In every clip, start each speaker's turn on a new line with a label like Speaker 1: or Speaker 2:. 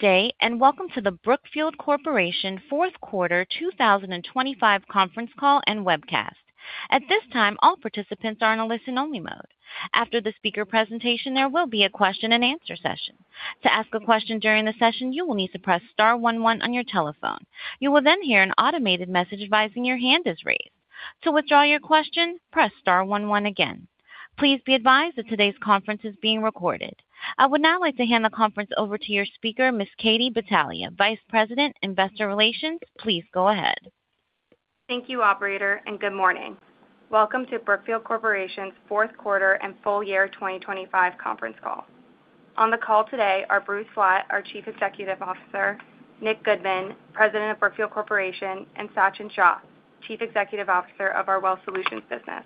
Speaker 1: Today, and welcome to the Brookfield Corporation Fourth Quarter 2025 conference call and webcast. At this time, all participants are in a listen-only mode. After the speaker presentation, there will be a question-and-answer session. To ask a question during the session, you will need to press star one one on your telephone. You will then hear an automated message advising your hand is raised. To withdraw your question, press star one one again. Please be advised that today's conference is being recorded. I would now like to hand the conference over to your speaker, Ms. Katie Battaglia, Vice President, Investor Relations. Please go ahead.
Speaker 2: Thank you, operator, and good morning. Welcome to Brookfield Corporation's fourth quarter and full year 2025 conference call. On the call today are Bruce Flatt, our Chief Executive Officer; Nick Goodman, President of Brookfield Corporation; and Sachin Shah, Chief Executive Officer of our Wealth Solutions business.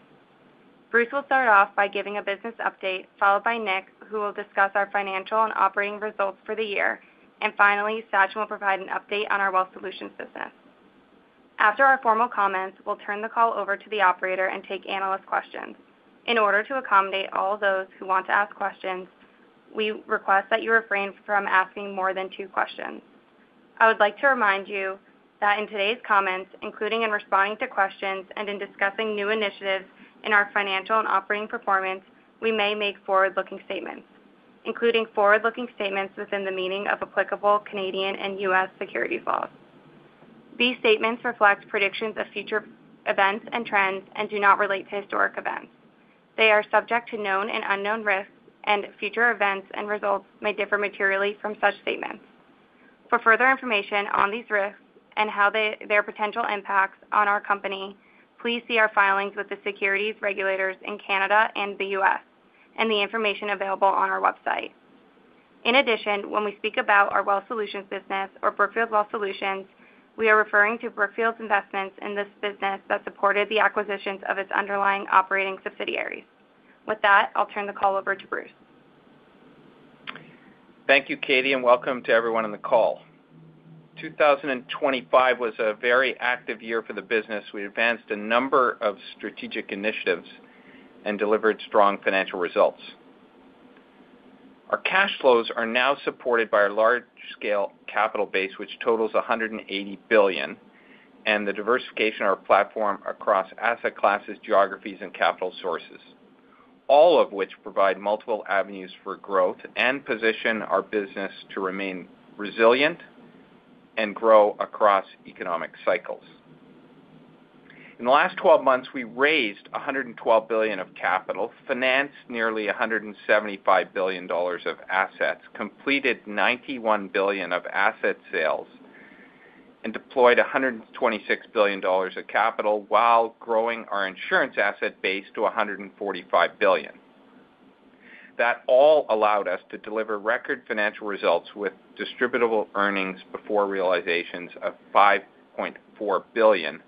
Speaker 2: Bruce will start off by giving a business update, followed by Nick, who will discuss our financial and operating results for the year. And finally, Sachin will provide an update on our Wealth Solutions business. After our formal comments, we'll turn the call over to the operator and take analyst questions. In order to accommodate all those who want to ask questions, we request that you refrain from asking more than two questions. I would like to remind you that in today's comments, including in responding to questions and in discussing new initiatives in our financial and operating performance, we may make forward-looking statements, including forward-looking statements within the meaning of applicable Canadian and U.S. securities laws. These statements reflect predictions of future events and trends and do not relate to historic events. They are subject to known and unknown risks, and future events and results may differ materially from such statements. For further information on these risks and how their potential impacts on our company, please see our filings with the securities regulators in Canada and the U.S., and the information available on our website. In addition, when we speak about our Wealth Solutions business or Brookfield Wealth Solutions, we are referring to Brookfield's investments in this business that supported the acquisitions of its underlying operating subsidiaries. With that, I'll turn the call over to Bruce.
Speaker 3: Thank you, Katie, and welcome to everyone on the call. 2025 was a very active year for the business. We advanced a number of strategic initiatives and delivered strong financial results. Our cash flows are now supported by our large-scale capital base, which totals $180 billion, and the diversification of our platform across asset classes, geographies, and capital sources, all of which provide multiple avenues for growth and position our business to remain resilient and grow across economic cycles. In the last twelve months, we raised $112 billion of capital, financed nearly $175 billion of assets, completed $91 billion of asset sales, and deployed $126 billion of capital while growing our insurance asset base to $145 billion. That all allowed us to deliver record financial results with Distributable Earnings before realizations of $5.4 billion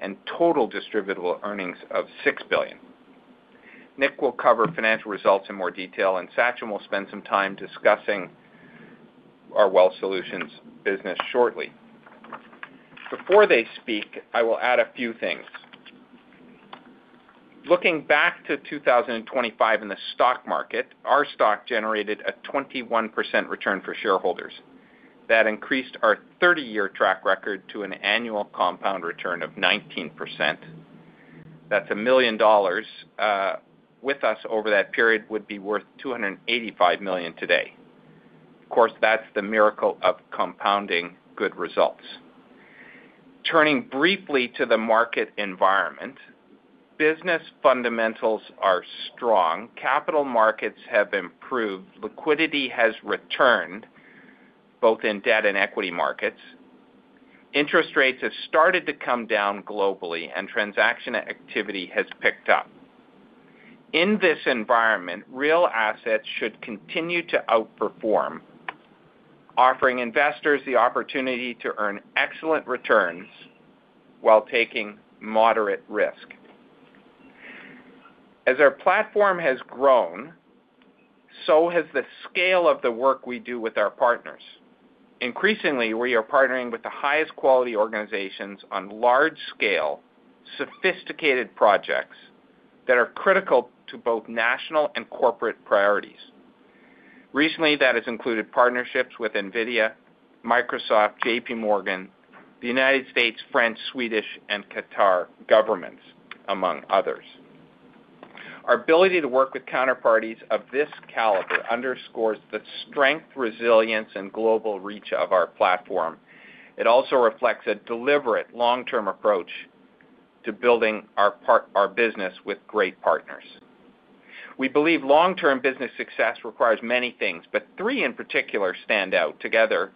Speaker 3: and total Distributable Earnings of $6 billion. Nick will cover financial results in more detail, and Sachin will spend some time discussing our Wealth Solutions business shortly. Before they speak, I will add a few things. Looking back to 2025 in the stock market, our stock generated a 21% return for shareholders. That increased our 30-year track record to an annual compound return of 19%. That's a million dollars with us over that period would be worth $285 million today. Of course, that's the miracle of compounding good results. Turning briefly to the market environment, business fundamentals are strong, capital markets have improved, liquidity has returned both in debt and equity markets, interest rates have started to come down globally, and transaction activity has picked up. In this environment, real assets should continue to outperform, offering investors the opportunity to earn excellent returns while taking moderate risk. As our platform has grown, so has the scale of the work we do with our partners. Increasingly, we are partnering with the highest quality organizations on large-scale, sophisticated projects that are critical to both national and corporate priorities. Recently, that has included partnerships with NVIDIA, Microsoft, JP Morgan, the United States, French, Swedish, and Qatar governments, among others. Our ability to work with counterparties of this caliber underscores the strength, resilience, and global reach of our platform. It also reflects a deliberate long-term approach to building our part - our business with great partners. We believe long-term business success requires many things, but three in particular stand out. Together,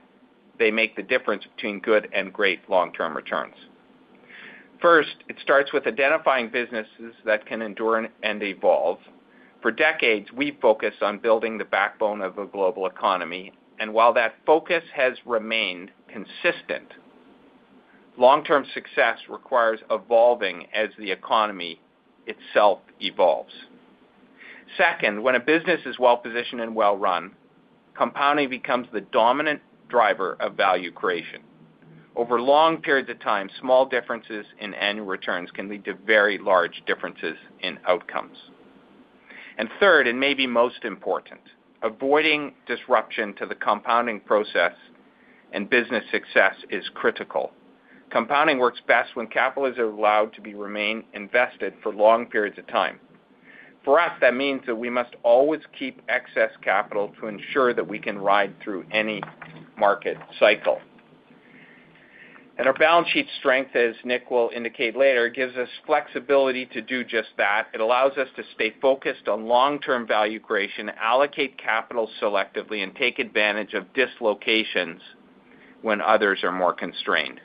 Speaker 3: they make the difference between good and great long-term returns. First, it starts with identifying businesses that can endure and evolve. For decades, we've focused on building the backbone of a global economy, and while that focus has remained consistent, long-term success requires evolving as the economy itself evolves. Second, when a business is well-positioned and well-run, compounding becomes the dominant driver of value creation. Over long periods of time, small differences in annual returns can lead to very large differences in outcomes... And third, and maybe most important, avoiding disruption to the compounding process and business success is critical. Compounding works best when capital is allowed to remain invested for long periods of time. For us, that means that we must always keep excess capital to ensure that we can ride through any market cycle. Our balance sheet strength, as Nick will indicate later, gives us flexibility to do just that. It allows us to stay focused on long-term value creation, allocate capital selectively, and take advantage of dislocations when others are more constrained.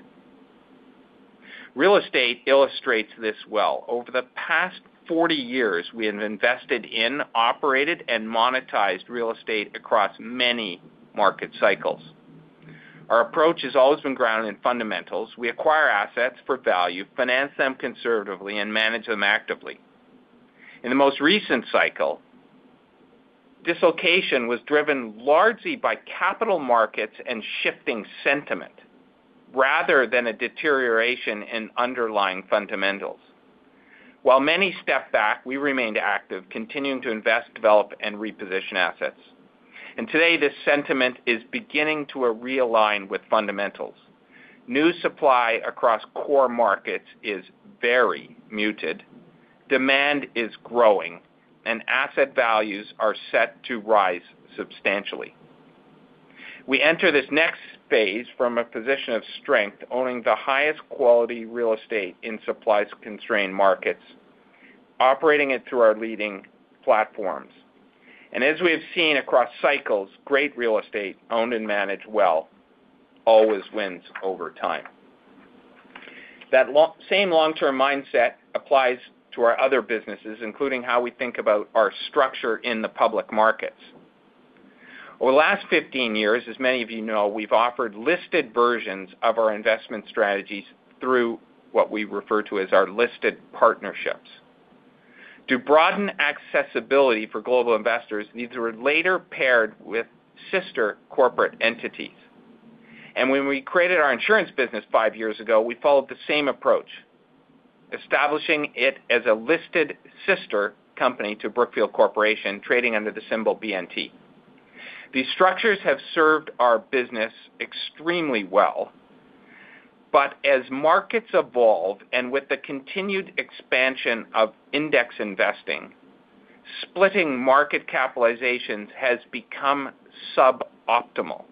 Speaker 3: Real estate illustrates this well. Over the past 40 years, we have invested in, operated, and monetized real estate across many market cycles. Our approach has always been grounded in fundamentals. We acquire assets for value, finance them conservatively, and manage them actively. In the most recent cycle, dislocation was driven largely by capital markets and shifting sentiment, rather than a deterioration in underlying fundamentals. While many stepped back, we remained active, continuing to invest, develop, and reposition assets. And today, this sentiment is beginning to realign with fundamentals. New supply across core markets is very muted. Demand is growing, and asset values are set to rise substantially. We enter this next phase from a position of strength, owning the highest quality real estate in supply-constrained markets, operating it through our leading platforms. And as we have seen across cycles, great real estate, owned and managed well, always wins over time. That same long-term mindset applies to our other businesses, including how we think about our structure in the public markets. Over the last 15 years, as many of you know, we've offered listed versions of our investment strategies through what we refer to as our listed partnerships. To broaden accessibility for global investors, these were later paired with sister corporate entities. When we created our insurance business five years ago, we followed the same approach, establishing it as a listed sister company to Brookfield Corporation, trading under the symbol BNT. These structures have served our business extremely well. But as markets evolve, and with the continued expansion of index investing, splitting market capitalizations has become suboptimal.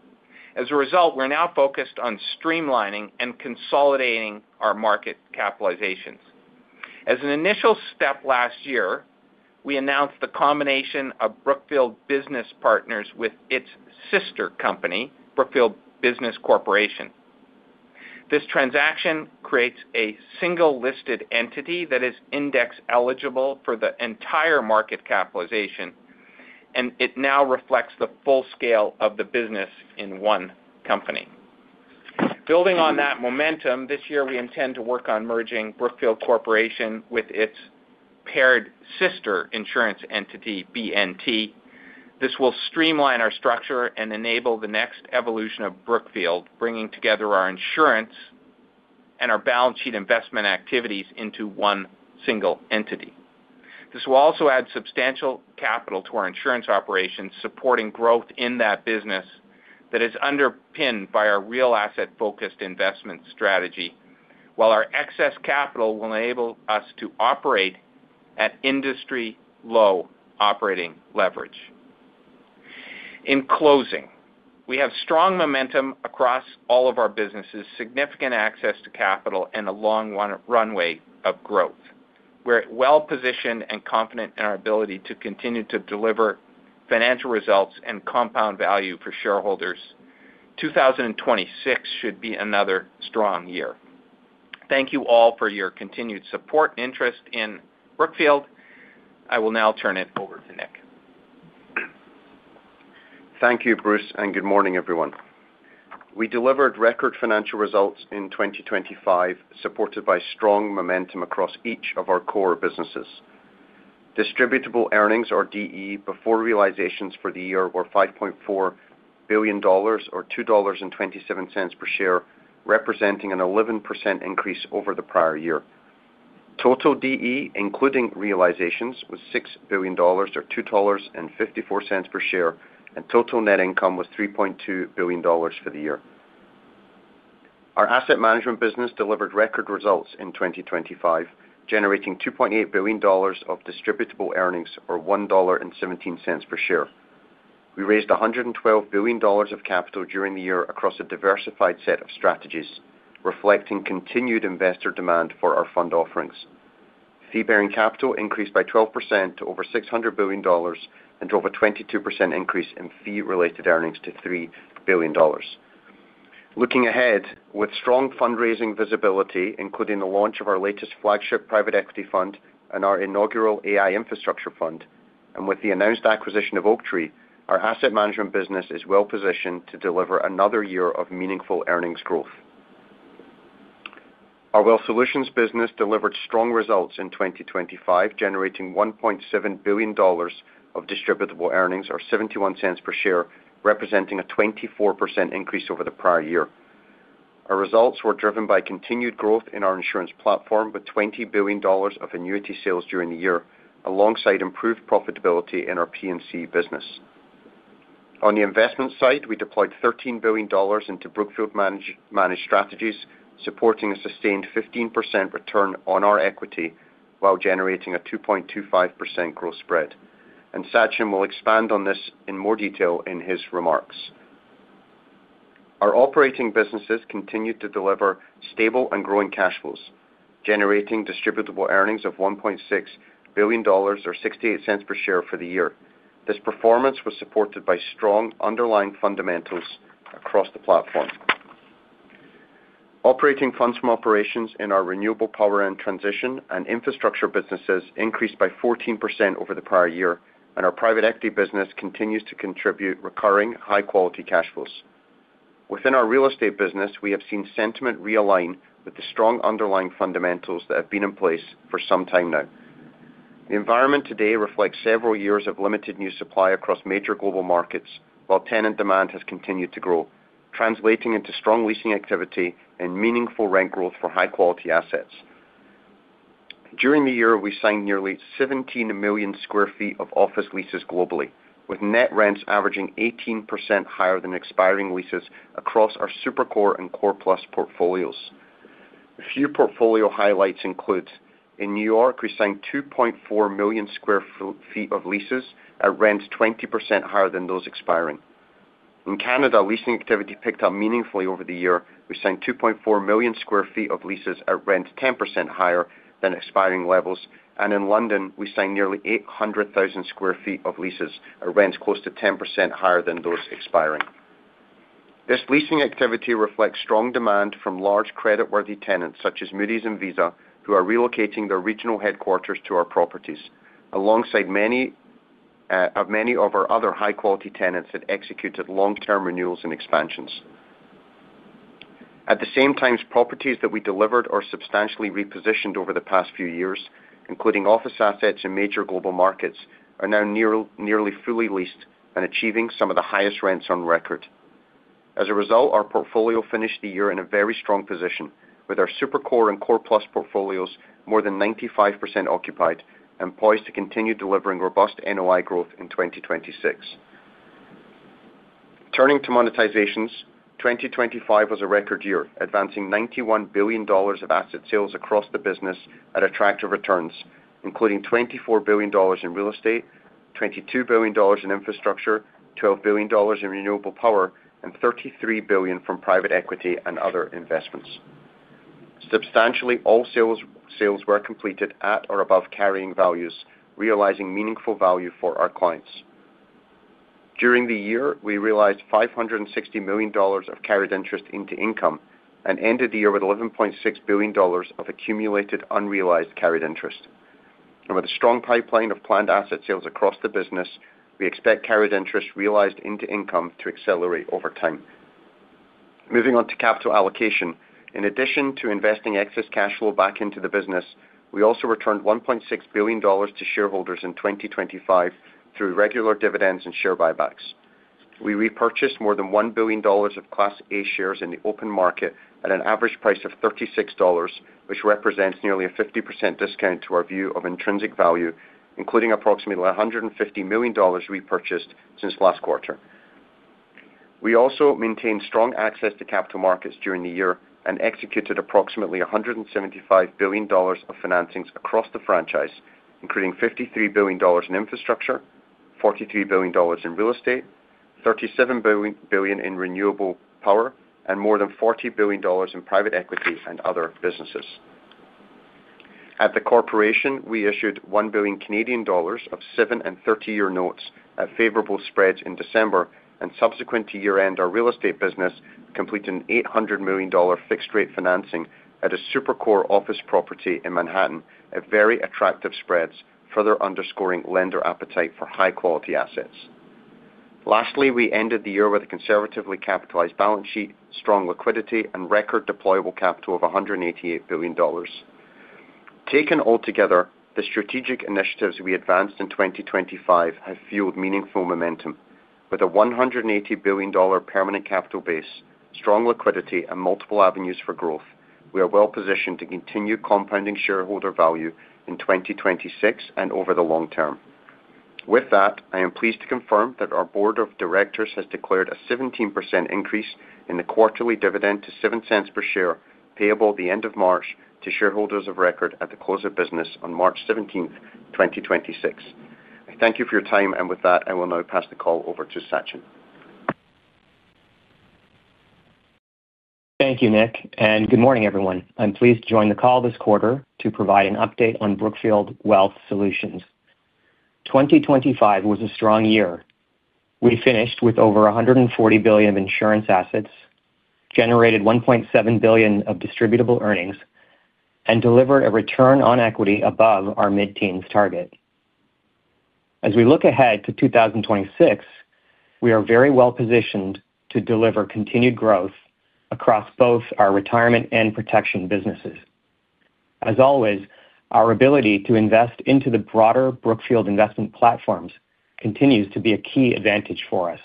Speaker 3: As a result, we're now focused on streamlining and consolidating our market capitalizations. As an initial step last year, we announced the combination of Brookfield Business Partners with its sister company, Brookfield Business Corporation. This transaction creates a single listed entity that is index eligible for the entire market capitalization, and it now reflects the full scale of the business in one company. Building on that momentum, this year, we intend to work on merging Brookfield Corporation with its paired sister insurance entity, BNT. This will streamline our structure and enable the next evolution of Brookfield, bringing together our insurance and our balance sheet investment activities into one single entity. This will also add substantial capital to our insurance operations, supporting growth in that business that is underpinned by our real asset-focused investment strategy, while our excess capital will enable us to operate at industry-low operating leverage. In closing, we have strong momentum across all of our businesses, significant access to capital, and a long runway of growth. We're well positioned and confident in our ability to continue to deliver financial results and compound value for shareholders. 2026 should be another strong year. Thank you all for your continued support and interest in Brookfield. I will now turn it over to Nick.
Speaker 4: Thank you, Bruce, and good morning, everyone. We delivered record financial results in 2025, supported by strong momentum across each of our core businesses. Distributable Earnings, or DE, before realizations for the year were $5.4 billion, or $2.27 per share, representing an 11% increase over the prior year. Total DE, including realizations, was $6 billion, or $2.54 per share, and total net income was $3.2 billion for the year. Our Asset Management business delivered record results in 2025, generating $2.8 billion of Distributable Earnings, or $1.17 per share. We raised $112 billion of capital during the year across a diversified set of strategies, reflecting continued investor demand for our fund offerings. Fee-bearing capital increased by 12% to over $600 billion and drove a 22% increase in Fee-Related Earnings to $3 billion. Looking ahead, with strong fundraising visibility, including the launch of our latest flagship private equity fund and our inaugural AI infrastructure fund, and with the announced acquisition of Oaktree, our Asset Management business is well positioned to deliver another year of meaningful earnings growth. Our Wealth Solutions business delivered strong results in 2025, generating $1.7 billion of Distributable Earnings or $0.71 per share, representing a 24% increase over the prior year. Our results were driven by continued growth in our insurance platform, with $20 billion of annuity sales during the year, alongside improved profitability in our P&C business. On the investment side, we deployed $13 billion into Brookfield Managed Strategies, supporting a sustained 15% return on our equity, while generating a 2.25% growth spread. Sachin will expand on this in more detail in his remarks. Our Operating businesses continued to deliver stable and growing cash flows, generating Distributable Earnings of $1.6 billion, or $0.68 per share for the year. This performance was supported by strong underlying fundamentals across the platform. Operating Funds from Operations in our Renewable Power and Transition and Infrastructure businesses increased by 14% over the prior year, and our Private Equity business continues to contribute recurring high-quality cash flows. Within our Real Estate business, we have seen sentiment realign with the strong underlying fundamentals that have been in place for some time now. The environment today reflects several years of limited new supply across major global markets, while tenant demand has continued to grow, translating into strong leasing activity and meaningful rent growth for high-quality assets. During the year, we signed nearly 17 million sq ft of office leases globally, with net rents averaging 18% higher than expiring leases across our Super Core and Core Plus portfolios. A few portfolio highlights includes: in New York, we signed 2.4 million sq ft of leases at rents 20% higher than those expiring. In Canada, leasing activity picked up meaningfully over the year. We signed 2.4 million sq ft of leases at rents 10% higher than expiring levels. In London, we signed nearly 800,000 sq ft of leases at rents close to 10% higher than those expiring. This leasing activity reflects strong demand from large credit-worthy tenants, such as Moody's and Visa, who are relocating their regional headquarters to our properties, alongside many of our other high-quality tenants that executed long-term renewals and expansions. At the same time, properties that we delivered or substantially repositioned over the past few years, including office assets in major global markets, are now nearly fully leased and achieving some of the highest rents on record. As a result, our portfolio finished the year in a very strong position, with our Super Core and Core Plus portfolios more than 95% occupied and poised to continue delivering robust NOI growth in 2026. Turning to monetizations, 2025 was a record year, advancing $91 billion of asset sales across the business at attractive returns, including $24 billion in real estate, $22 billion in infrastructure, $12 billion in renewable power, and $33 billion from private equity and other investments. Substantially all sales were completed at or above carrying values, realizing meaningful value for our clients. During the year, we realized $560 million of carried interest into income and ended the year with $11.6 billion of accumulated unrealized carried interest. With a strong pipeline of planned asset sales across the business, we expect carried interest realized into income to accelerate over time. Moving on to capital allocation. In addition to investing excess cash flow back into the business, we also returned $1.6 billion to shareholders in 2025 through regular dividends and share buybacks. We repurchased more than $1 billion of Class A shares in the open market at an average price of $36, which represents nearly a 50% discount to our view of intrinsic value, including approximately $150 million repurchased since last quarter. We also maintained strong access to capital markets during the year and executed approximately $175 billion of financings across the franchise, including $53 billion in infrastructure, $43 billion in real estate, $37 billion in renewable power, and more than $40 billion in private equity and other businesses. At the corporation, we issued 1 billion Canadian dollars of 7- and 30-year notes at favorable spreads in December, and subsequent to year-end, our Real Estate business completed an $800 million fixed-rate financing at a Super Core office property in Manhattan at very attractive spreads, further underscoring lender appetite for high-quality assets. Lastly, we ended the year with a conservatively capitalized balance sheet, strong liquidity, and record deployable capital of $188 billion. Taken altogether, the strategic initiatives we advanced in 2025 have fueled meaningful momentum. With a $180 billion permanent capital base, strong liquidity, and multiple avenues for growth, we are well positioned to continue compounding shareholder value in 2026 and over the long term. With that, I am pleased to confirm that our board of directors has declared a 17% increase in the quarterly dividend to $0.07 per share, payable at the end of March to shareholders of record at the close of business on March 17, 2026. I thank you for your time, and with that, I will now pass the call over to Sachin.
Speaker 5: Thank you, Nick, and good morning, everyone. I'm pleased to join the call this quarter to provide an update on Brookfield Wealth Solutions. 2025 was a strong year. We finished with over $140 billion of insurance assets, generated $1.7 billion of Distributable Earnings, and delivered a return on equity above our mid-teens target. As we look ahead to 2026, we are very well positioned to deliver continued growth across both our Retirement and Protection businesses. As always, our ability to invest into the broader Brookfield investment platforms continues to be a key advantage for us.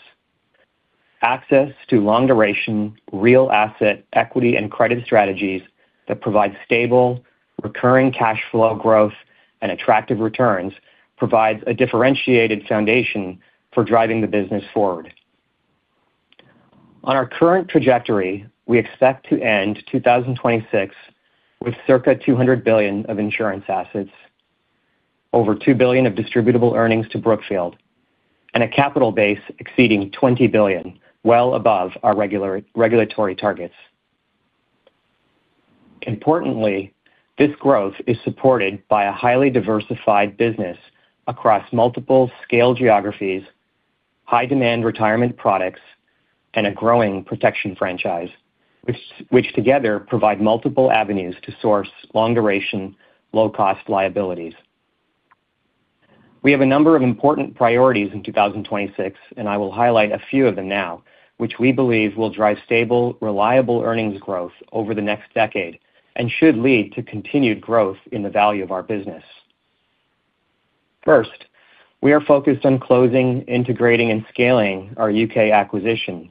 Speaker 5: Access to long duration, real asset, equity, and credit strategies that provide stable, recurring cash flow growth and attractive returns, provides a differentiated foundation for driving the business forward. On our current trajectory, we expect to end 2026 with circa $200 billion of insurance assets, over $2 billion of Distributable Earnings to Brookfield, and a capital base exceeding $20 billion, well above our regulatory targets. Importantly, this growth is supported by a highly diversified business across multiple scale geographies, high demand retirement products, and a growing protection franchise, which together provide multiple avenues to source long duration, low-cost liabilities. We have a number of important priorities in 2026, and I will highlight a few of them now, which we believe will drive stable, reliable earnings growth over the next decade and should lead to continued growth in the value of our business. First, we are focused on closing, integrating, and scaling our U.K. acquisition.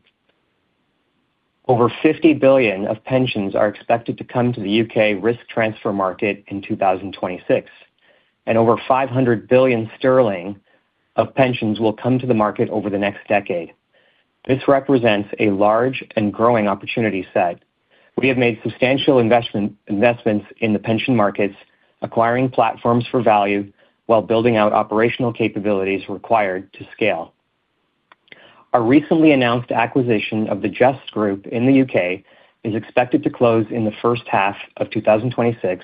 Speaker 5: Over 50 billion of pensions are expected to come to the U.K. risk transfer market in 2026, and over 500 billion sterling of pensions will come to the market over the next decade. This represents a large and growing opportunity set. We have made substantial investment, investments in the pension markets, acquiring platforms for value while building out operational capabilities required to scale. Our recently announced acquisition of the Just Group in the U.K. is expected to close in the first half of 2026,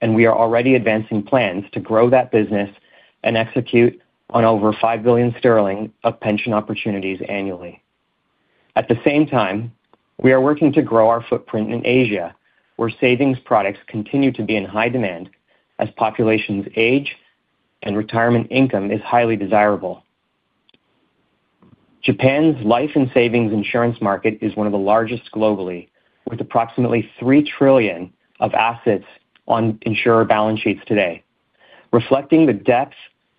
Speaker 5: and we are already advancing plans to grow that business and execute on over 5 billion sterling of pension opportunities annually. At the same time, we are working to grow our footprint in Asia, where savings products continue to be in high demand as populations age and retirement income is highly desirable. Japan's Life and Savings Insurance market is one of the largest globally, with approximately $3 trillion of assets on insurer balance sheets today, reflecting the depth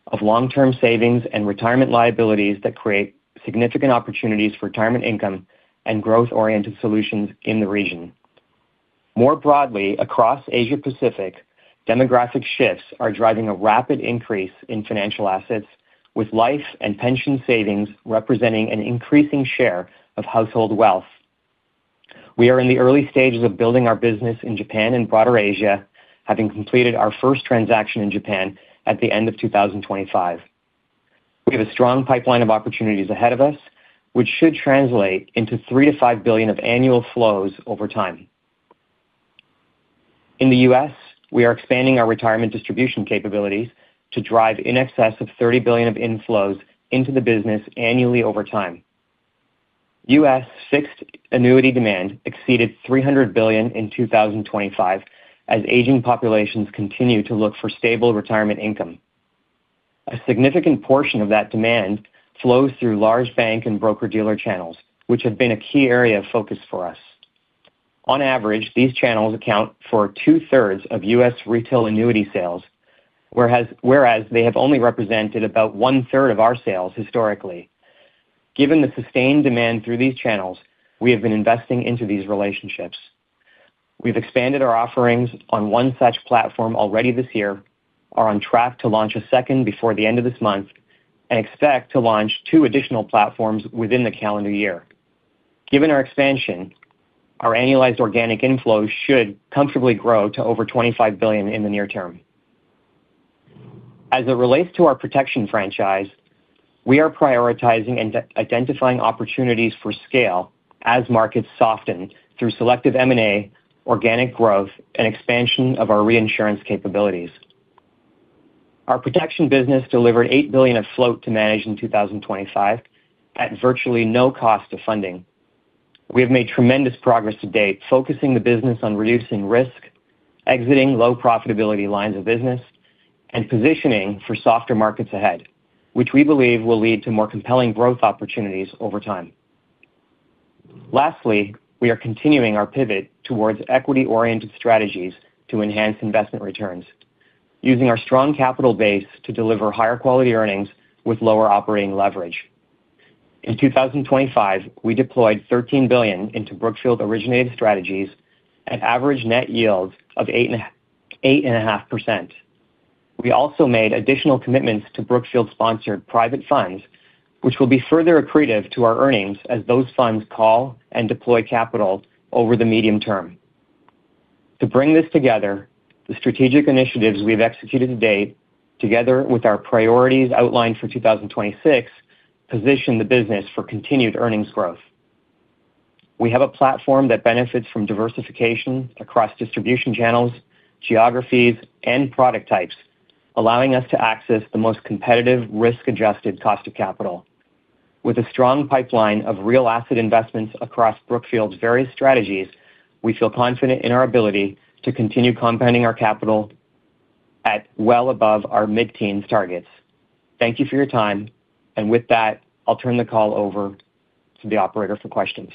Speaker 5: of long-term savings and retirement liabilities that create significant opportunities for retirement income and growth-oriented solutions in the region. More broadly, across Asia Pacific, demographic shifts are driving a rapid increase in financial assets, with life and pension savings representing an increasing share of household wealth. We are in the early stages of building our business in Japan and broader Asia, having completed our first transaction in Japan at the end of 2025. We have a strong pipeline of opportunities ahead of us, which should translate into $3 billion-$5 billion of annual flows over time. In the U.S., we are expanding our retirement distribution capabilities to drive in excess of $30 billion of inflows into the business annually over time. U.S. fixed annuity demand exceeded $300 billion in 2025, as aging populations continue to look for stable retirement income. A significant portion of that demand flows through large bank and broker-dealer channels, which have been a key area of focus for us. On average, these channels account for two-thirds of U.S. retail annuity sales, whereas they have only represented about one-third of our sales historically. Given the sustained demand through these channels, we have been investing into these relationships. We've expanded our offerings on one such platform already this year, are on track to launch a second before the end of this month, and expect to launch two additional platforms within the calendar year. Given our expansion, our annualized organic inflows should comfortably grow to over $25 billion in the near term. As it relates to our protection franchise, we are prioritizing and identifying opportunities for scale as markets soften through selective M&A, organic growth, and expansion of our reinsurance capabilities. Our Protection business delivered $8 billion of float to manage in 2025 at virtually no cost of funding. We have made tremendous progress to date, focusing the business on reducing risk, exiting low profitability lines of business, and positioning for softer markets ahead, which we believe will lead to more compelling growth opportunities over time. Lastly, we are continuing our pivot towards equity-oriented strategies to enhance investment returns, using our strong capital base to deliver higher quality earnings with lower operating leverage. In 2025, we deployed $13 billion into Brookfield-originated strategies at average net yields of 8.5%. We also made additional commitments to Brookfield-sponsored private funds, which will be further accretive to our earnings as those funds call and deploy capital over the medium term. To bring this together, the strategic initiatives we've executed to date, together with our priorities outlined for 2026, position the business for continued earnings growth. We have a platform that benefits from diversification across distribution channels, geographies, and product types, allowing us to access the most competitive risk-adjusted cost of capital. With a strong pipeline of real asset investments across Brookfield's various strategies, we feel confident in our ability to continue compounding our capital at well above our mid-teens targets. Thank you for your time, and with that, I'll turn the call over to the operator for questions.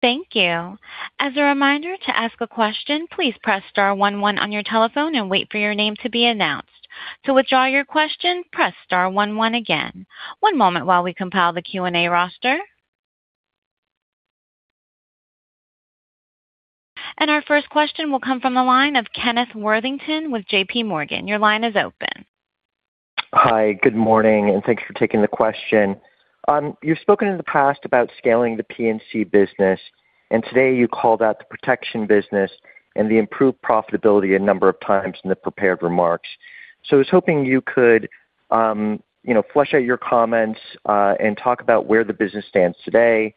Speaker 1: Thank you. As a reminder, to ask a question, please press star one one on your telephone and wait for your name to be announced. To withdraw your question, press star one one again. One moment while we compile the Q&A roster. Our first question will come from the line of Kenneth Worthington with JP Morgan. Your line is open.
Speaker 6: Hi, good morning, and thanks for taking the question. You've spoken in the past about scaling the P&C business, and today you called out the Protection business and the improved profitability a number of times in the prepared remarks. So I was hoping you could, you know, flesh out your comments, and talk about where the business stands today,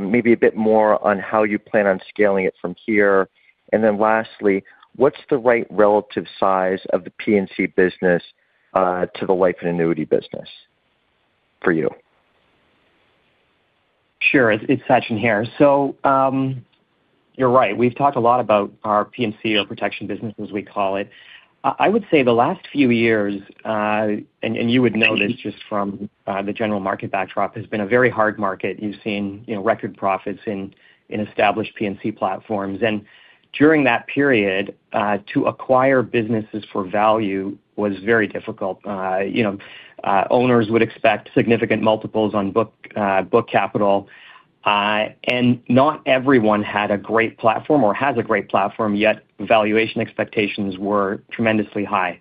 Speaker 6: maybe a bit more on how you plan on scaling it from here. And then lastly, what's the right relative size of the P&C business to the Life and Annuity business for you?
Speaker 5: Sure. It's Sachin here. So, you're right. We've talked a lot about our P&C, or Protection business, as we call it. I would say the last few years, and you would know this just from the general market backdrop, has been a very hard market. You've seen, you know, record profits in established P&C platforms. And during that period, to acquire businesses for value was very difficult. You know, owners would expect significant multiples on book capital, and not everyone had a great platform or has a great platform, yet valuation expectations were tremendously high.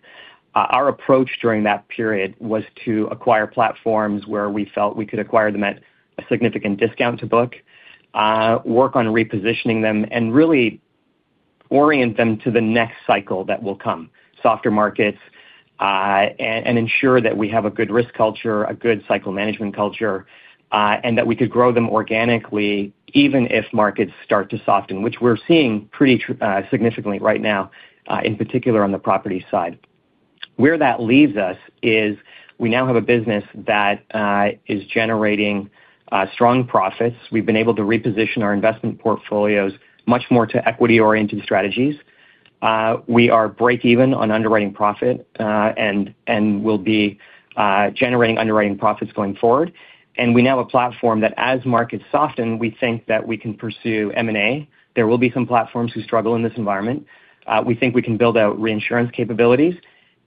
Speaker 5: Our approach during that period was to acquire platforms where we felt we could acquire them at a significant discount to book, work on repositioning them, and really orient them to the next cycle that will come, softer markets, and ensure that we have a good risk culture, a good cycle management culture, and that we could grow them organically, even if markets start to soften, which we're seeing pretty significantly right now, in particular on the property side. Where that leaves us is we now have a business that is generating strong profits. We've been able to reposition our investment portfolios much more to equity-oriented strategies. We are break even on underwriting profit, and will be generating underwriting profits going forward. We now have a platform that as markets soften, we think that we can pursue M&A. There will be some platforms who struggle in this environment. We think we can build out reinsurance capabilities,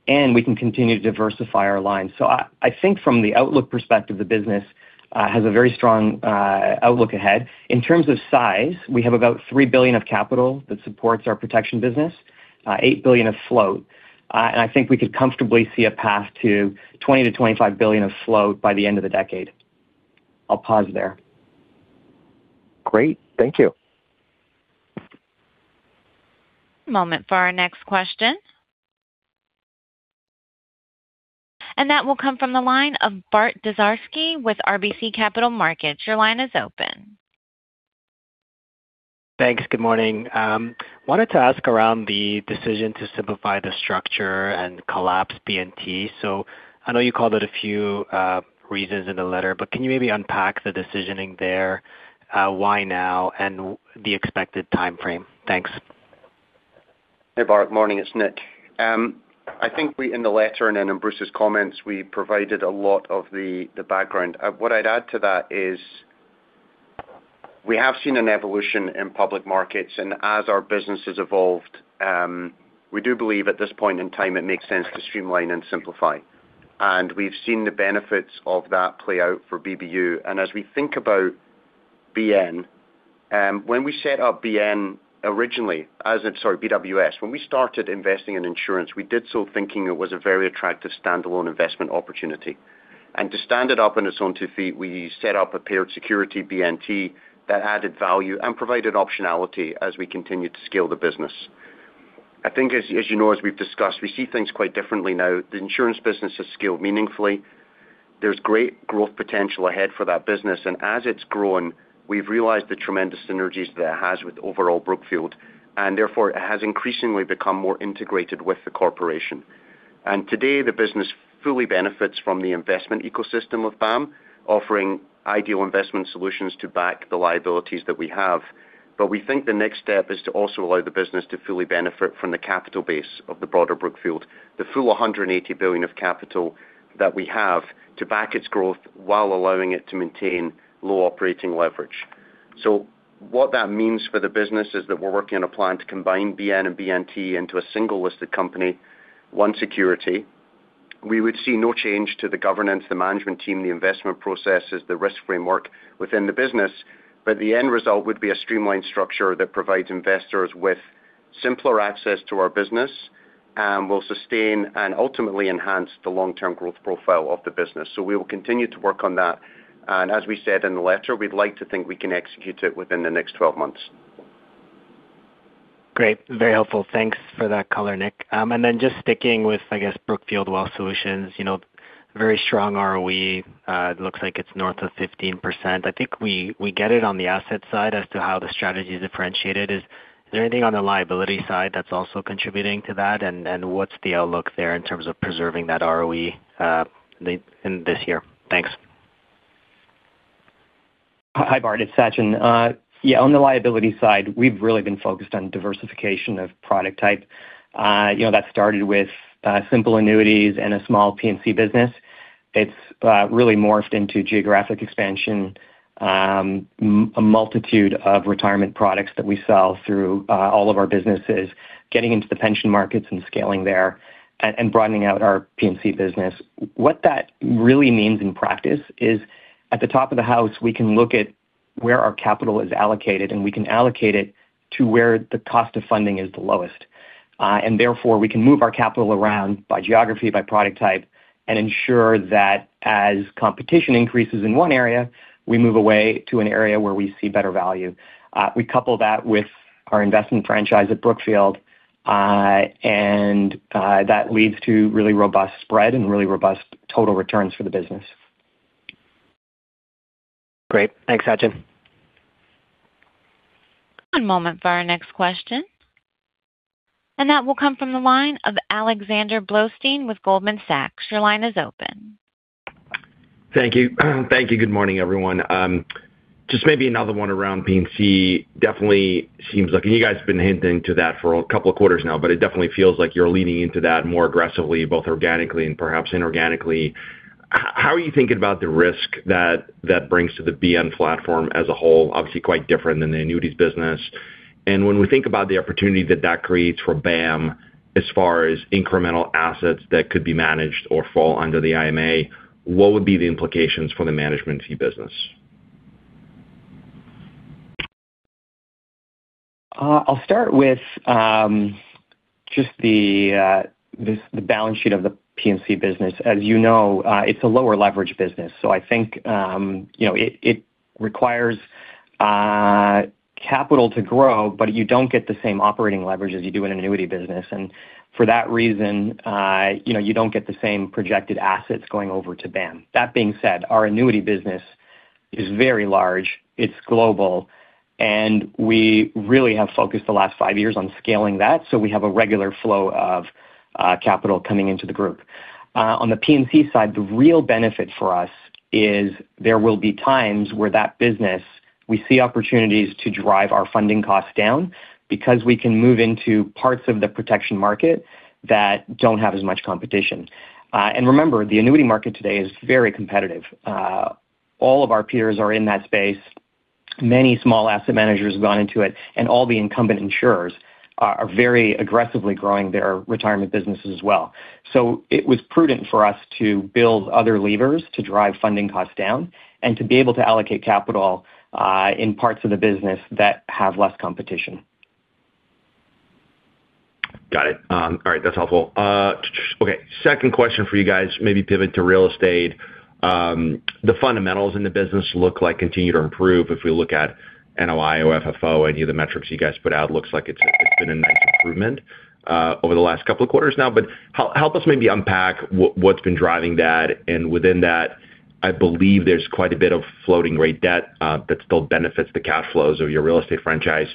Speaker 5: and we can continue to diversify our lines. So I, I think from the outlook perspective, the business has a very strong outlook ahead. In terms of size, we have about $3 billion of capital that supports our Protection business, $8 billion of float. And I think we could comfortably see a path to $20 billion-$25 billion of float by the end of the decade. I'll pause there.
Speaker 6: Great. Thank you.
Speaker 1: Moment for our next question. That will come from the line of Bart Dziarski with RBC Capital Markets. Your line is open.
Speaker 7: Thanks. Good morning. Wanted to ask around the decision to simplify the structure and collapse BNT. So I know you called it a few reasons in the letter, but can you maybe unpack the decisioning there? Why now, and what the expected timeframe? Thanks.
Speaker 4: Hey, Bart. Morning, it's Nick. I think we, in the letter and in Bruce's comments, we provided a lot of the background. What I'd add to that is we have seen an evolution in public markets, and as our business has evolved, we do believe at this point in time it makes sense to streamline and simplify. And we've seen the benefits of that play out for BBU. And as we think about BN, when we set up BN originally... Sorry, BWS, when we started investing in insurance, we did so thinking it was a very attractive standalone investment opportunity. And to stand it up on its own two feet, we set up a paired security, BNT, that added value and provided optionality as we continued to scale the business. I think as, as you know, as we've discussed, we see things quite differently now. The Insurance business has scaled meaningfully. There's great growth potential ahead for that business, and as it's grown, we've realized the tremendous synergies that it has with overall Brookfield, and therefore, it has increasingly become more integrated with the corporation. And today, the business fully benefits from the investment ecosystem of BAM, offering ideal investment solutions to back the liabilities that we have. But we think the next step is to also allow the business to fully benefit from the capital base of the broader Brookfield, the full $180 billion of capital that we have to back its growth while allowing it to maintain low operating leverage. So what that means for the business is that we're working on a plan to combine BN and BNT into a single listed company, one security. We would see no change to the governance, the management team, the investment processes, the risk framework within the business, but the end result would be a streamlined structure that provides investors with simpler access to our business, will sustain and ultimately enhance the long-term growth profile of the business. So we will continue to work on that, and as we said in the letter, we'd like to think we can execute it within the next 12 months.
Speaker 7: Great. Very helpful. Thanks for that color, Nick. And then just sticking with, I guess, Brookfield Wealth Solutions, you know, very strong ROE. It looks like it's north of 15%. I think we, we get it on the asset side as to how the strategy is differentiated. Is, is there anything on the liability side that's also contributing to that? And, and what's the outlook there in terms of preserving that ROE, in this year? Thanks. ...
Speaker 5: Hi, Bart, it's Sachin. Yeah, on the liability side, we've really been focused on diversification of product type. You know, that started with simple annuities and a small P&C business. It's really morphed into geographic expansion, a multitude of retirement products that we sell through all of our businesses, getting into the pension markets and scaling there, and broadening out our P&C business. What that really means in practice is, at the top of the house, we can look at where our capital is allocated, and we can allocate it to where the cost of funding is the lowest. And therefore, we can move our capital around by geography, by product type, and ensure that as competition increases in one area, we move away to an area where we see better value. We couple that with our investment franchise at Brookfield, and that leads to really robust spread and really robust total returns for the business.
Speaker 7: Great. Thanks, Sachin.
Speaker 1: One moment for our next question. That will come from the line of Alexander Blostein with Goldman Sachs. Your line is open.
Speaker 8: Thank you. Thank you. Good morning, everyone. Just maybe another one around P&C. It definitely seems like—and you guys have been hinting to that for a couple of quarters now—but it definitely feels like you're leaning into that more aggressively, both organically and perhaps inorganically. How are you thinking about the risk that that brings to the BN platform as a whole? Obviously, quite different than the Annuities business. And when we think about the opportunity that that creates for BAM, as far as incremental assets that could be managed or fall under the IMA, what would be the implications for the management fee business?
Speaker 5: I'll start with just the balance sheet of the P&C business. As you know, it's a lower leverage business, so I think, you know, it requires capital to grow, but you don't get the same operating leverage as you do in an Annuity business. For that reason, you know, you don't get the same projected assets going over to BAM. That being said, our Annuity business is very large, it's global, and we really have focused the last five years on scaling that, so we have a regular flow of capital coming into the group. On the P&C side, the real benefit for us is there will be times where that business, we see opportunities to drive our funding costs down because we can move into parts of the protection market that don't have as much competition. Remember, the Annuity market today is very competitive. All of our peers are in that space. Many small asset managers have gone into it, and all the incumbent insurers are very aggressively growing their Retirement business as well. It was prudent for us to build other levers to drive funding costs down and to be able to allocate capital in parts of the business that have less competition.
Speaker 8: Got it. All right, that's helpful. Okay, second question for you guys, maybe pivot to real estate. The fundamentals in the business look like continue to improve. If we look at NOI or FFO, any of the metrics you guys put out, it looks like it's, it's been a nice improvement over the last couple of quarters now. But help us maybe unpack what's been driving that, and within that, I believe there's quite a bit of floating rate debt that still benefits the cash flows of your real estate franchise.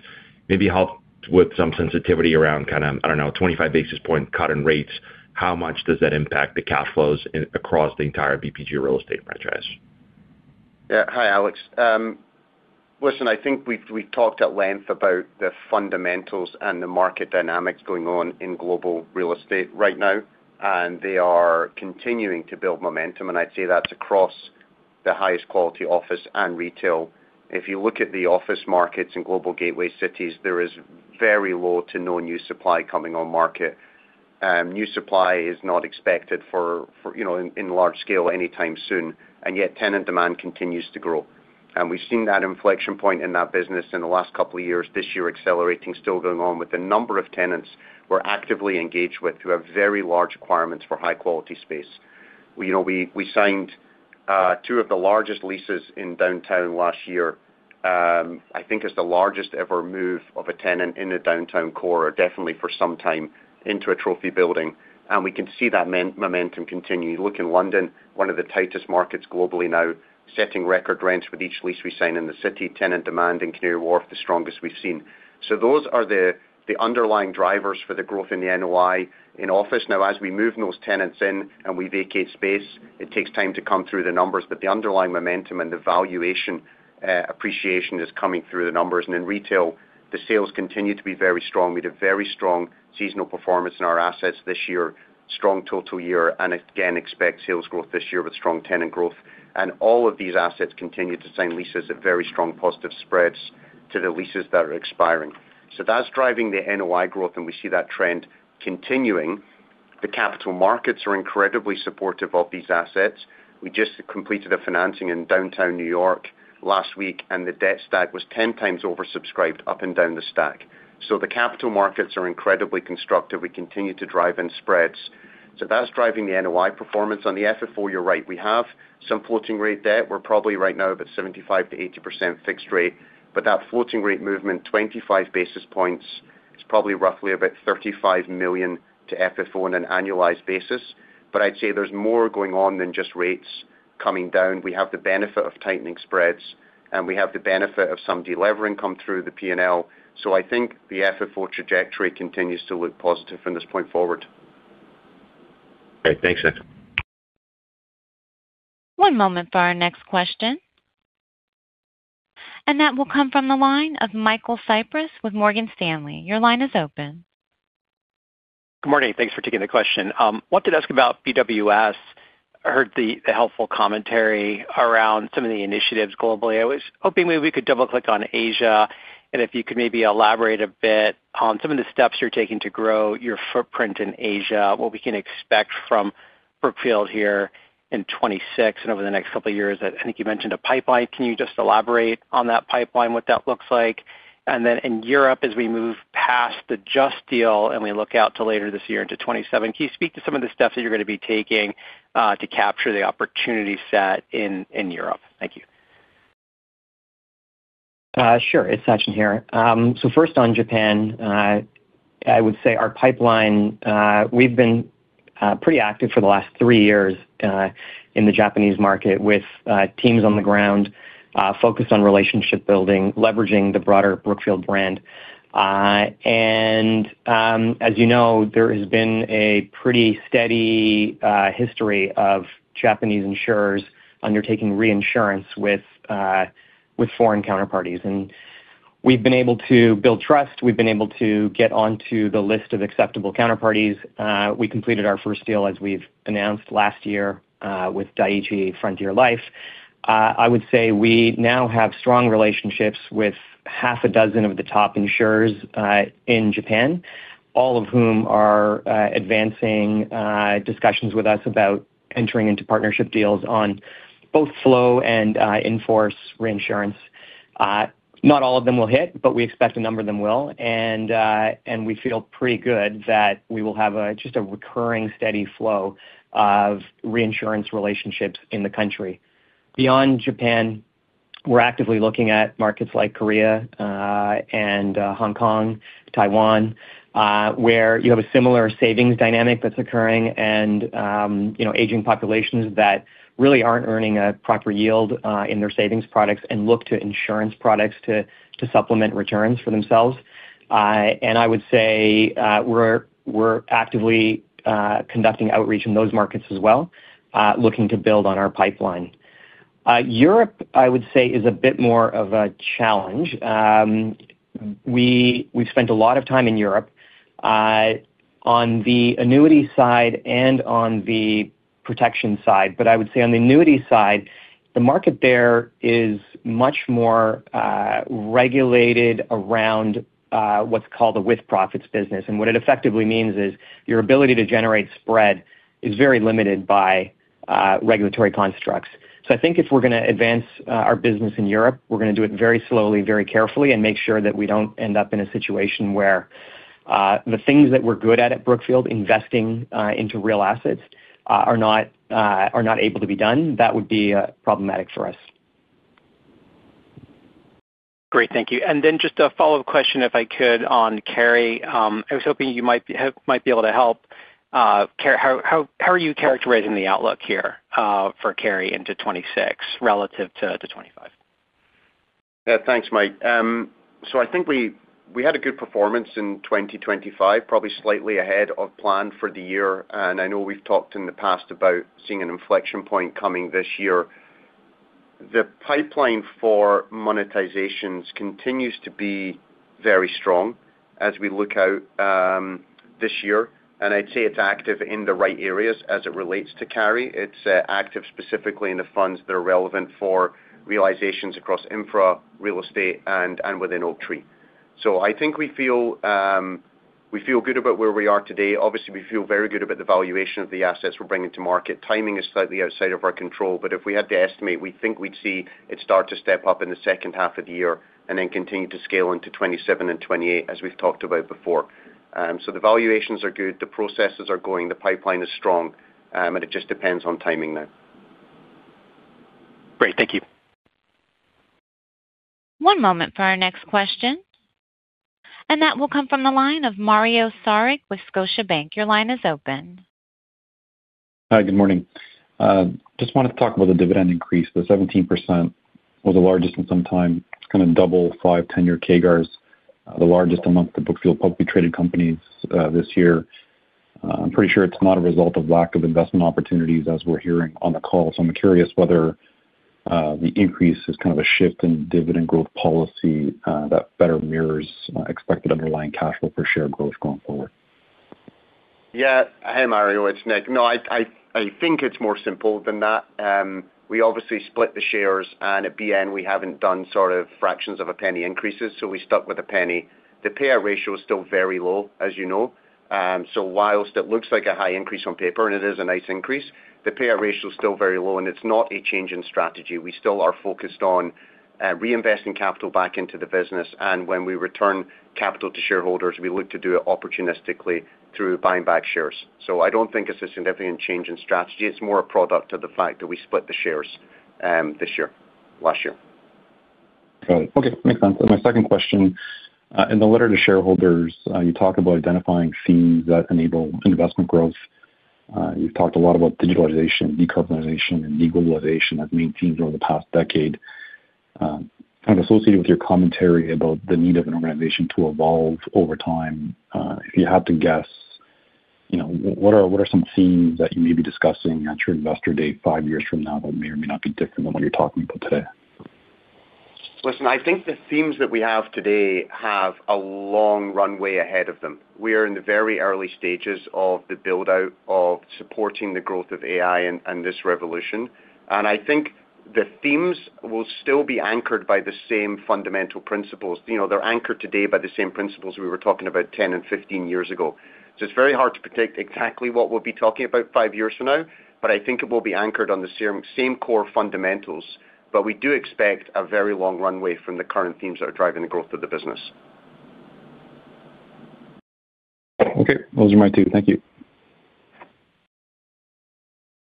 Speaker 8: Maybe help with some sensitivity around kind of, I don't know, 25 basis point cut in rates. How much does that impact the cash flows in across the entire BPG real estate franchise?
Speaker 4: Yeah. Hi, Alex. Listen, I think we've talked at length about the fundamentals and the market dynamics going on in global real estate right now, and they are continuing to build momentum, and I'd say that's across the highest quality office and retail. If you look at the office markets in global gateway cities, there is very low to no new supply coming on market. New supply is not expected for you know in large scale anytime soon, and yet tenant demand continues to grow. And we've seen that inflection point in that business in the last couple of years, this year, accelerating, still going on with the number of tenants we're actively engaged with, who have very large requirements for high-quality space. We you know we signed two of the largest leases in downtown last year. I think it's the largest ever move of a tenant in the downtown core, or definitely for some time, into a trophy building, and we can see that momentum continue. You look in London, one of the tightest markets globally now, setting record rents with each lease we sign in the city. Tenant demand in Canary Wharf, the strongest we've seen. So those are the underlying drivers for the growth in the NOI in office. Now, as we move those tenants in and we vacate space, it takes time to come through the numbers, but the underlying momentum and the valuation appreciation is coming through the numbers. And in retail, the sales continue to be very strong. We had a very strong seasonal performance in our assets this year, strong total year, and again, expect sales growth this year with strong tenant growth. All of these assets continue to sign leases at very strong positive spreads to the leases that are expiring. So that's driving the NOI growth, and we see that trend continuing. The capital markets are incredibly supportive of these assets. We just completed a financing in downtown New York last week, and the debt stack was 10 times oversubscribed up and down the stack. So the capital markets are incredibly constructive. We continue to drive in spreads. So that's driving the NOI performance. On the FFO, you're right. We have some floating rate debt. We're probably right now about 75%-80% fixed rate, but that floating rate movement, 25 basis points, is probably roughly about $35 million to FFO on an annualized basis. But I'd say there's more going on than just rates coming down. We have the benefit of tightening spreads, and we have the benefit of some delevering come through the P&L. So I think the FFO trajectory continues to look positive from this point forward.
Speaker 8: Great, thanks, Ed.
Speaker 1: One moment for our next question. That will come from the line of Michael Cyprys with Morgan Stanley. Your line is open.
Speaker 9: Good morning. Thanks for taking the question. Wanted to ask about BWS. I heard the helpful commentary around some of the initiatives globally. I was hoping maybe we could double click on Asia, and if you could maybe elaborate a bit on some of the steps you're taking to grow your footprint in Asia, what we can expect from Brookfield here in 2026 and over the next couple of years. I think you mentioned a pipeline. Can you just elaborate on that pipeline, what that looks like? And then in Europe, as we move past the Just deal, and we look out to later this year into 2027, can you speak to some of the steps that you're gonna be taking to capture the opportunity set in Europe? Thank you.
Speaker 5: Sure. It's Sachin here. So first on Japan, I would say our pipeline, we've been pretty active for the last three years in the Japanese market with teams on the ground focused on relationship building, leveraging the broader Brookfield brand. And as you know, there has been a pretty steady history of Japanese insurers undertaking reinsurance with foreign counterparties. And we've been able to build trust. We've been able to get onto the list of acceptable counterparties. We completed our first deal, as we've announced last year, with Dai-ichi Frontier Life. I would say we now have strong relationships with half a dozen of the top insurers in Japan, all of whom are advancing discussions with us about entering into partnership deals on both flow and in-force reinsurance. Not all of them will hit, but we expect a number of them will. And, and we feel pretty good that we will have a just a recurring, steady flow of reinsurance relationships in the country. Beyond Japan, we're actively looking at markets like Korea, and, Hong Kong, Taiwan, where you have a similar savings dynamic that's occurring and, you know, aging populations that really aren't earning a proper yield, in their savings products and look to insurance products to, to supplement returns for themselves. And I would say, we're, we're actively, conducting outreach in those markets as well, looking to build on our pipeline. Europe, I would say, is a bit more of a challenge. We've spent a lot of time in Europe on the annuity side and on the protection side, but I would say on the annuity side, the market there is much more regulated around what's called a with-profits business. And what it effectively means is your ability to generate spread is very limited by regulatory constructs. So I think if we're gonna advance our business in Europe, we're gonna do it very slowly, very carefully, and make sure that we don't end up in a situation where the things that we're good at Brookfield, investing into real assets are not able to be done. That would be problematic for us.
Speaker 9: Great. Thank you. And then just a follow-up question, if I could, on Carry. I was hoping you might be able to help. How are you characterizing the outlook here for Carry into 2026 relative to 2025?
Speaker 4: Yeah, thanks, Mike. So I think we had a good performance in 2025, probably slightly ahead of plan for the year, and I know we've talked in the past about seeing an inflection point coming this year. The pipeline for monetizations continues to be very strong as we look out this year, and I'd say it's active in the right areas as it relates to Carry. It's active specifically in the funds that are relevant for realizations across infra, real estate, and within Oaktree. So I think we feel good about where we are today. Obviously, we feel very good about the valuation of the assets we're bringing to market. Timing is slightly outside of our control, but if we had to estimate, we think we'd see it start to step up in the second half of the year and then continue to scale into 2027 and 2028, as we've talked about before. So the valuations are good, the processes are going, the pipeline is strong, and it just depends on timing now.
Speaker 9: Great. Thank you.
Speaker 1: One moment for our next question, and that will come from the line of Mario Saric with Scotiabank. Your line is open.
Speaker 10: Hi, good morning. Just wanted to talk about the dividend increase. The 17% was the largest in some time. It's kind of double 5-, 10-year CAGRs, the largest amongst the Brookfield publicly traded companies, this year. I'm pretty sure it's not a result of lack of investment opportunities as we're hearing on the call. So I'm curious whether, the increase is kind of a shift in dividend growth policy, that better mirrors, expected underlying cash flow per share growth going forward?
Speaker 4: Yeah. Hey, Mario, it's Nick. No, I think it's more simple than that. We obviously split the shares, and at BN, we haven't done sort of fractions of a penny increases, so we stuck with a penny. The payout ratio is still very low, as you know. So whilst it looks like a high increase on paper, and it is a nice increase, the payout ratio is still very low, and it's not a change in strategy. We still are focused on reinvesting capital back into the business, and when we return capital to shareholders, we look to do it opportunistically through buying back shares. So I don't think it's a significant change in strategy. It's more a product of the fact that we split the shares this year, last year.
Speaker 10: Got it. Okay, makes sense. My second question, in the letter to shareholders, you talk about identifying themes that enable investment growth. You've talked a lot about digitalization, decarbonization, and deglobalization as main themes over the past decade.... Kind of associated with your commentary about the need of an organization to evolve over time, if you had to guess, you know, what are, what are some themes that you may be discussing at your investor date five years from now that may or may not be different than what you're talking about today?
Speaker 4: Listen, I think the themes that we have today have a long runway ahead of them. We are in the very early stages of the build-out of supporting the growth of AI and this revolution. I think the themes will still be anchored by the same fundamental principles. You know, they're anchored today by the same principles we were talking about 10 and 15 years ago. It's very hard to predict exactly what we'll be talking about 5 years from now, but I think it will be anchored on the same core fundamentals. We do expect a very long runway from the current themes that are driving the growth of the business.
Speaker 10: Okay. Those are my two. Thank you.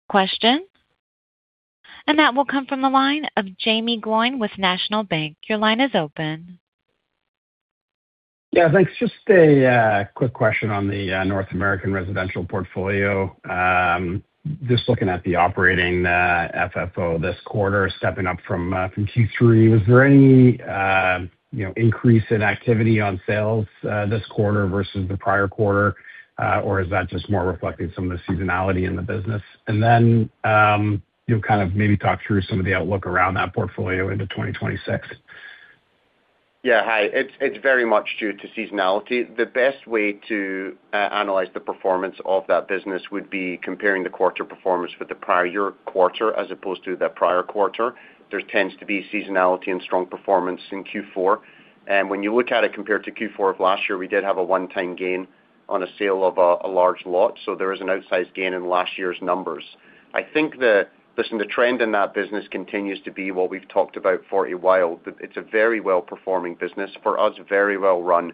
Speaker 1: Question. And that will come from the line of Jaeme Gloyn with National Bank. Your line is open.
Speaker 11: Yeah, thanks. Just a quick question on the North American residential portfolio. Just looking at the operating FFO this quarter, stepping up from Q3, was there any, you know, increase in activity on sales this quarter versus the prior quarter? Or is that just more reflecting some of the seasonality in the business? And then, you'll kind of maybe talk through some of the outlook around that portfolio into 2026.
Speaker 4: Yeah. Hi, it's very much due to seasonality. The best way to analyze the performance of that business would be comparing the quarter performance with the prior year quarter as opposed to the prior quarter. There tends to be seasonality and strong performance in Q4. And when you look at it, compared to Q4 of last year, we did have a one-time gain on a sale of a large lot, so there is an outsized gain in last year's numbers. I think... Listen, the trend in that business continues to be what we've talked about for a while, that it's a very well-performing business. For us, very well run,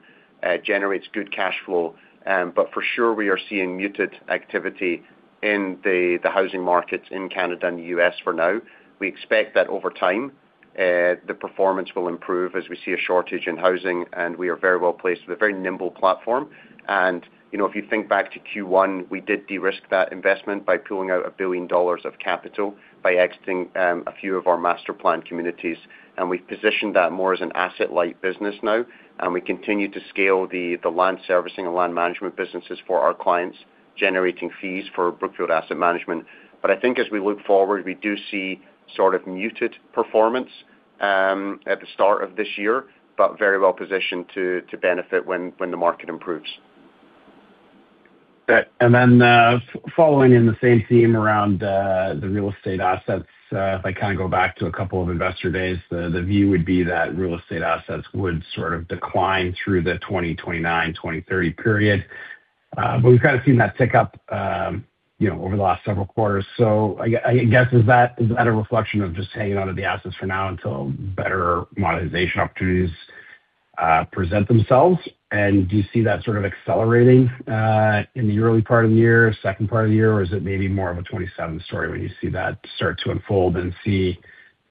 Speaker 4: generates good cash flow. But for sure, we are seeing muted activity in the housing markets in Canada and the U.S. for now. We expect that over time, the performance will improve as we see a shortage in housing, and we are very well placed with a very nimble platform. And, you know, if you think back to Q1, we did de-risk that investment by pulling out $1 billion of capital, by exiting a few of our master plan communities. And we've positioned that more as an asset-light business now, and we continue to scale the Land Servicing and Land Management businesses for our clients, generating fees for Brookfield Asset Management. But I think as we look forward, we do see sort of muted performance at the start of this year, but very well positioned to benefit when the market improves.
Speaker 11: And then, following in the same theme around the real estate assets, if I kind of go back to a couple of investor days, the view would be that real estate assets would sort of decline through the 2029, 2030 period. But we've kind of seen that tick up, you know, over the last several quarters. So I guess, is that a reflection of just hanging onto the assets for now until better monetization opportunities present themselves? And do you see that sort of accelerating in the early part of the year, second part of the year, or is it maybe more of a 2027 story when you see that start to unfold and see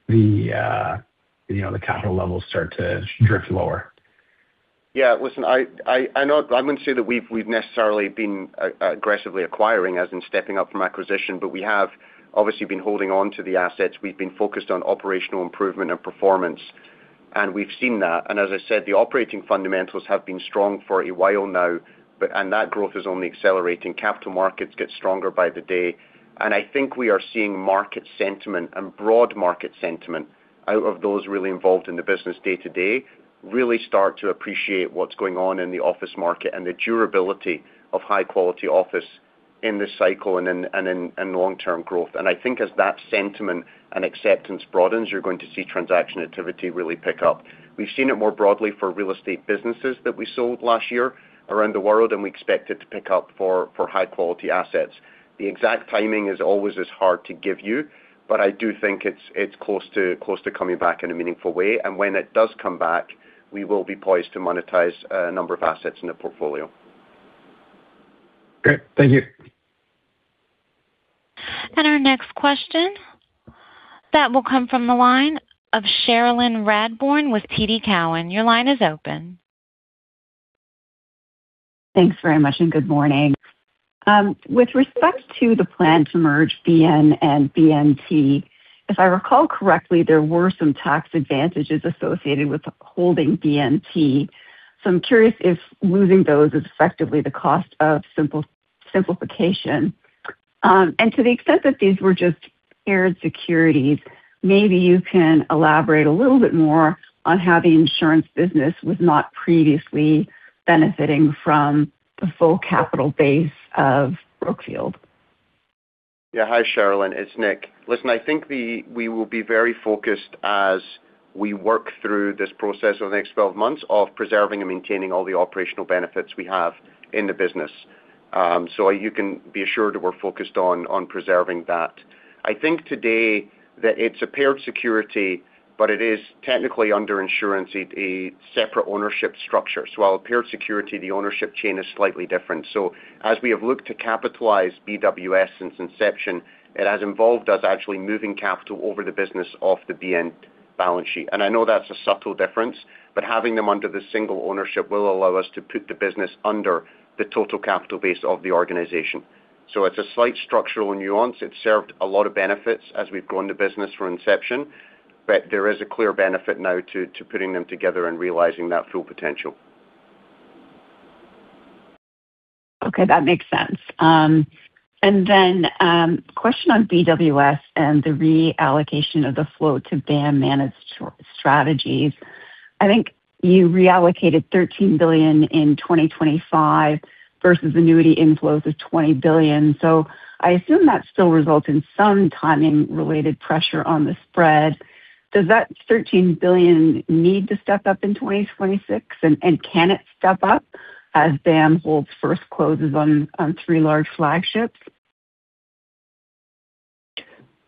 Speaker 11: the, you know, the capital levels start to drift lower?
Speaker 4: Yeah. Listen, I know. I wouldn't say that we've necessarily been aggressively acquiring, as in stepping up from acquisition, but we have obviously been holding on to the assets. We've been focused on operational improvement and performance, and we've seen that. And as I said, the operating fundamentals have been strong for a while now, but and that growth is only accelerating. Capital markets get stronger by the day, and I think we are seeing market sentiment and broad market sentiment out of those really involved in the business day-to-day, really start to appreciate what's going on in the office market and the durability of high-quality office in this cycle and long-term growth. And I think as that sentiment and acceptance broadens, you're going to see transaction activity really pick up. We've seen it more broadly for Real Estate businesses that we sold last year around the world, and we expect it to pick up for, for high-quality assets. The exact timing is always as hard to give you, but I do think it's, it's close to, close to coming back in a meaningful way. And when it does come back, we will be poised to monetize a number of assets in the portfolio.
Speaker 11: Great. Thank you.
Speaker 1: Our next question, that will come from the line of Cherilyn Radbourne with TD Cowen. Your line is open.
Speaker 12: Thanks very much, and good morning. With respect to the plan to merge BN and BNT, if I recall correctly, there were some tax advantages associated with holding BNT. So I'm curious if losing those is effectively the cost of simplification. And to the extent that these were just paired securities, maybe you can elaborate a little bit more on how the Insurance business was not previously benefiting from the full capital base of Brookfield.
Speaker 4: Yeah. Hi, Cherilyn, it's Nick. Listen, I think we will be very focused as we work through this process over the next 12 months of preserving and maintaining all the operational benefits we have in the business. So you can be assured that we're focused on preserving that. I think today it's a paired security, but it is technically under insurance, it's a separate ownership structure. So while a paired security, the ownership chain is slightly different. So as we have looked to capitalize BWS since inception, it has involved us actually moving capital over the business off the BN balance sheet. And I know that's a subtle difference, but having them under the single ownership will allow us to put the business under the total capital base of the organization.... So it's a slight structural nuance. It's served a lot of benefits as we've grown the business from inception, but there is a clear benefit now to, to putting them together and realizing that full potential.
Speaker 12: Okay, that makes sense. And then, question on BWS and the reallocation of the flow to BAM managed strategies. I think you reallocated $13 billion in 2025 versus annuity inflows of $20 billion. So I assume that still results in some timing-related pressure on the spread. Does that $13 billion need to step up in 2026, and can it step up as BAM holds first closes on three large flagships?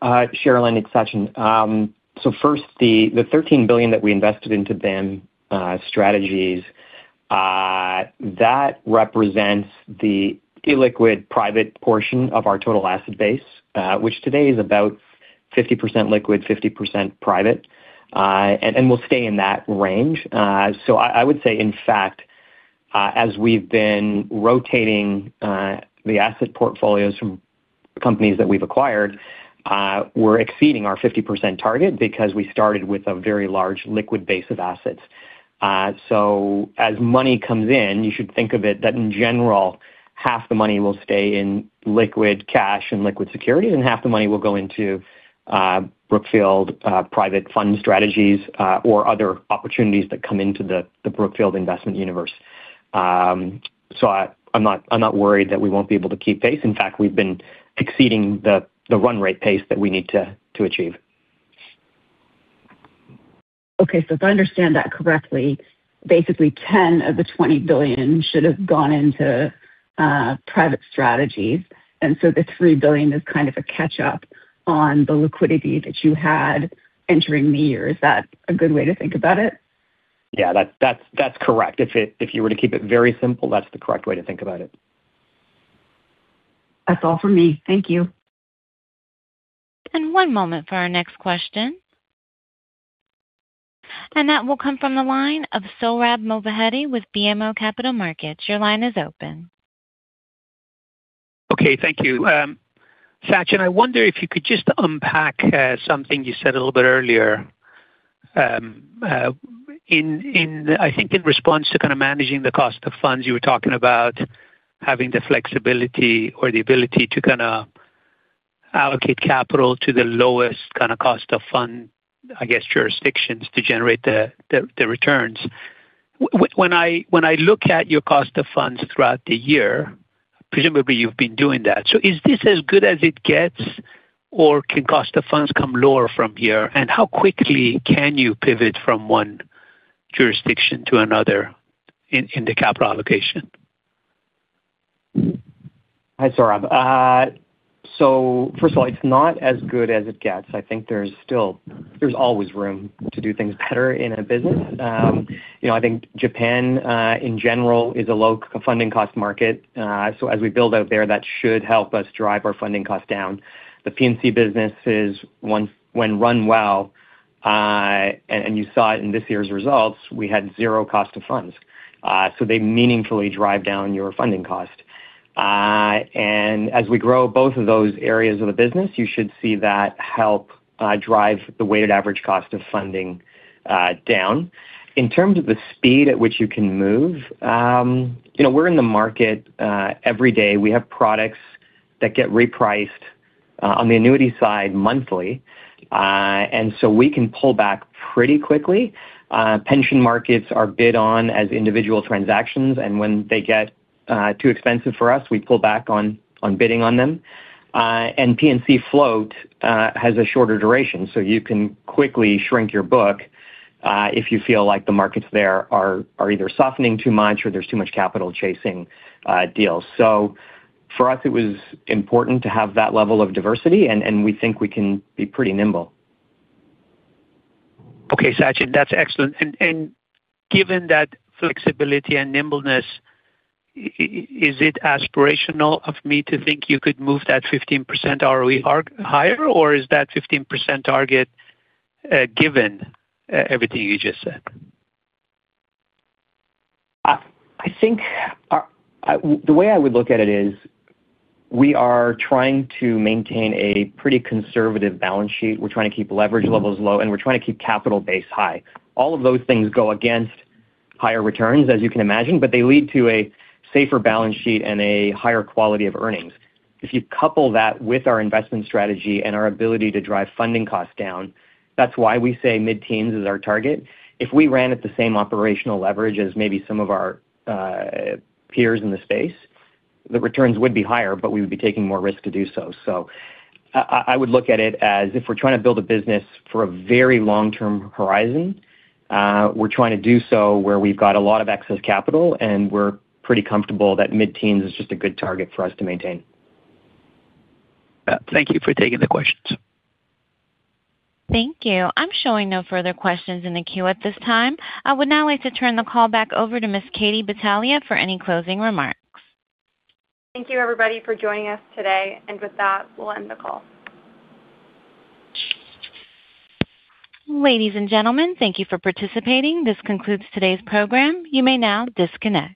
Speaker 5: Cherilyn, it's Sachin. So first, the thirteen billion that we invested into BAM strategies, that represents the illiquid private portion of our total asset base, which today is about 50% liquid, 50% private, and we'll stay in that range. So I would say, in fact, as we've been rotating the asset portfolios from companies that we've acquired, we're exceeding our 50% target because we started with a very large liquid base of assets. So as money comes in, you should think of it that in general, half the money will stay in liquid cash and liquid securities, and half the money will go into Brookfield Private Fund strategies or other opportunities that come into the Brookfield Investment universe. So, I'm not worried that we won't be able to keep pace. In fact, we've been exceeding the run rate pace that we need to achieve.
Speaker 12: Okay, so if I understand that correctly, basically 10 of the $20 billion should have gone into private strategies, and so the $3 billion is kind of a catch-up on the liquidity that you had entering the year. Is that a good way to think about it?
Speaker 5: Yeah, that's correct. If you were to keep it very simple, that's the correct way to think about it.
Speaker 12: That's all for me. Thank you.
Speaker 1: One moment for our next question. That will come from the line of Sohrab Movahedi with BMO Capital Markets. Your line is open.
Speaker 13: Okay, thank you. Sachin, I wonder if you could just unpack something you said a little bit earlier. In, I think in response to kind of managing the cost of funds, you were talking about having the flexibility or the ability to kinda allocate capital to the lowest kinda cost of fund, I guess, jurisdictions to generate the returns. When I look at your cost of funds throughout the year, presumably you've been doing that. So is this as good as it gets, or can cost of funds come lower from here? And how quickly can you pivot from one jurisdiction to another in the capital allocation?
Speaker 5: Hi, Sohrab. So first of all, it's not as good as it gets. I think there's still... There's always room to do things better in a business. You know, I think Japan, in general, is a low funding cost market. So as we build out there, that should help us drive our funding costs down. The P&C business is, when run well, and you saw it in this year's results, we had zero cost of funds. So they meaningfully drive down your funding cost. And as we grow both of those areas of the business, you should see that help drive the weighted average cost of funding down. In terms of the speed at which you can move, you know, we're in the market every day. We have products that get repriced on the annuity side monthly, and so we can pull back pretty quickly. Pension markets are bid on as individual transactions, and when they get too expensive for us, we pull back on bidding on them. And P&C float has a shorter duration, so you can quickly shrink your book if you feel like the markets there are either softening too much or there's too much capital chasing deals. So for us, it was important to have that level of diversity, and we think we can be pretty nimble.
Speaker 13: Okay, Sachin, that's excellent. And given that flexibility and nimbleness, is it aspirational of me to think you could move that 15% ROE higher, or is that 15% target, given everything you just said?
Speaker 5: I think the way I would look at it is, we are trying to maintain a pretty conservative balance sheet. We're trying to keep leverage levels low, and we're trying to keep capital base high. All of those things go against higher returns, as you can imagine, but they lead to a safer balance sheet and a higher quality of earnings. If you couple that with our investment strategy and our ability to drive funding costs down, that's why we say mid-teens is our target. If we ran at the same operational leverage as maybe some of our peers in the space, the returns would be higher, but we would be taking more risk to do so. So I would look at it as if we're trying to build a business for a very long-term horizon, we're trying to do so where we've got a lot of excess capital, and we're pretty comfortable that mid-teens is just a good target for us to maintain.
Speaker 13: Thank you for taking the questions.
Speaker 1: Thank you. I'm showing no further questions in the queue at this time. I would now like to turn the call back over to Ms. Katie Battaglia for any closing remarks.
Speaker 2: Thank you, everybody, for joining us today, and with that, we'll end the call.
Speaker 1: Ladies and gentlemen, thank you for participating. This concludes today's program. You may now disconnect.